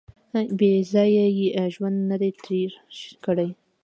• بېځایه یې ژوند نهدی تېر کړی.